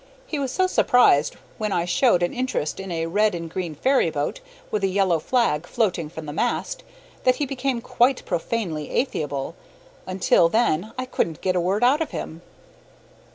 He was so surprised when I showed an interest in a red and green ferryboat, with a yellow flag floating from the mast, that he became quite profanely affable. Until then I couldn't get a word out of him.